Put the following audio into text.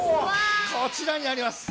こちらになります。